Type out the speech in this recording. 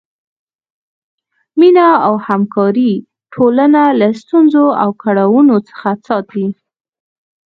مینه او همکاري ټولنه له ستونزو او کړاوونو څخه ساتي.